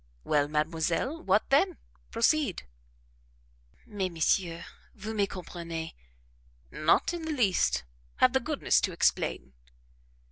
"Well, mademoiselle what then? Proceed." "Mais, monsieur, vous me comprenez." "Not in the least; have the goodness to explain."